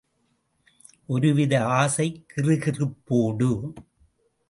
ஒருவித ஆசைக் கிறுகிறுப்போடு.